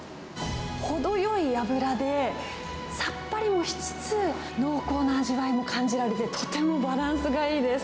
程よい脂でさっぱりもしつつ、濃厚な味わいも感じられて、とてもバランスがいいです。